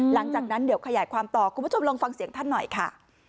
หลังจากนั้นเดี๋ยวขยายความต่อคุณผู้ชมลองฟังเสียงท่านหน่อยค่ะ